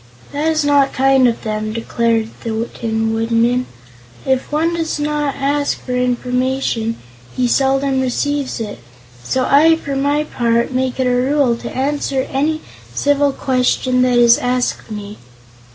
"That is not kind of them," declared the Tin Woodman. "If one does not ask for information he seldom receives it; so I, for my part, make it a rule to answer any civil question that is asked me."